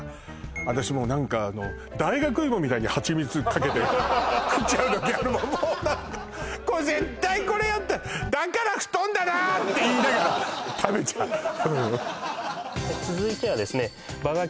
私もう何か大学芋みたいにはちみつかけて食っちゃう時あるもんこれ絶対これやったらって言いながら食べちゃう続いてはですねバーガー